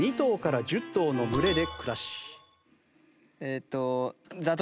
えっと。